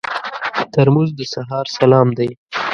ترموز د سهار سلام دی.